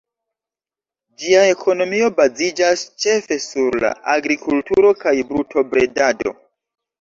Ĝia ekonomio baziĝas ĉefe sur la agrikulturo kaj brutobredado.